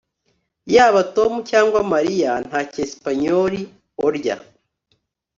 Yaba Tom cyangwa Mariya nta cyesipanyoli Olya